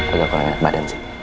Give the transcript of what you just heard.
agak kurang enak badan sih